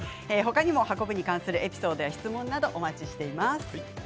運ぶに関するエピソードや質問もお待ちしています。